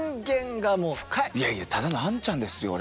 いやいやただのあんちゃんですよ俺。